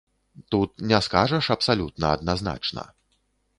Тут не скажаш абсалютна адназначна.